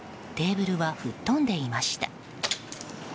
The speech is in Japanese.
テーブルは吹っ飛んでいました。